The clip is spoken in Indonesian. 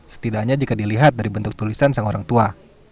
setidaknya jika dilihat dari bentuk tulisan sang orang tua